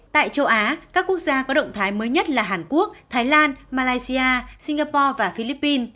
tại châu á các quốc gia có động thái mới nhất là hàn quốc thái lan malaysia singapore và philippines